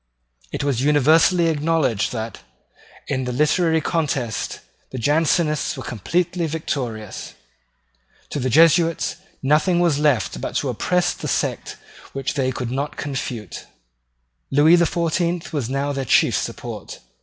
It was universally acknowledged that, in the literary contest, the Jansenists were completely victorious. To the Jesuits nothing was left but to oppress the sect which they could not confute. Lewis the Fourteenth was now their chief support.